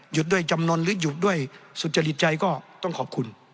ด้วยจำนวนหรือหยุดด้วยสุจริตใจก็ต้องขอบคุณ